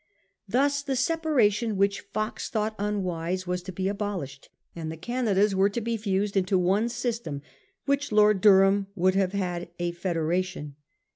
Thus the separation which Fox thought unwise was to be abolished, and the Canadas were to be fused into one system, which Lord Durham would have had a fede ration.